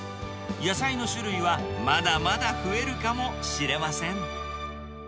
野菜の種類はまだまだ増えるかもしれません。